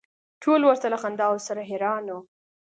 ټول ورته له خنداوو سره حیران و.